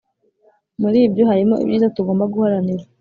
Muri byo harimo ibyiza tugomba guharanira